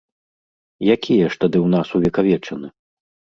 Якія ж тады ў нас увекавечаны?